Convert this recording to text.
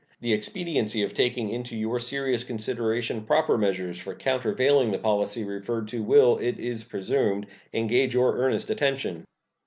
The expediency of taking into your serious consideration proper measures for countervailing the policy referred to will, it is presumed, engage your earnest attention.